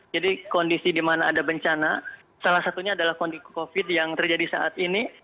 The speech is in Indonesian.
jadi kondisi di mana ada bencana salah satunya adalah kondisi covid yang terjadi saat ini